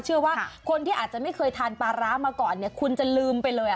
เชื่อว่าคนที่อาจไม่เคยทานปลาร้ามาก่อนจะลืมไปเลย